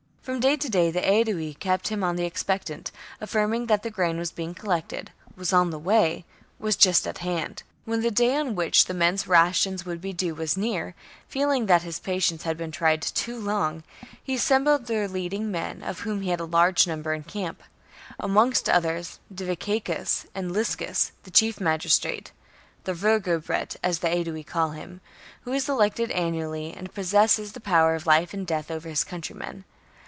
From day to day the Aedui kept him on the expectant, affirming that the grain was being collected — was on the way — was just at hand. When the day on which the men's rations would be due was near, feeling that his patience had been tried too long, he assembled their leading men, of whom he had a large number in camp ; amongst others Diviciacus and Liscus, the chief magistrate — the Vergobret, as the Aedui call him — who is elected annually,^ and possesses the power of life and death over his countrymen.